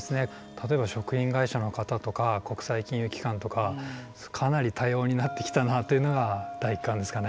例えば食品会社の方とか国際金融機関とかかなり多様になってきたなっていうのが第一感ですかね。